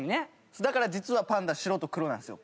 だから実はパンダ白と黒なんですよ。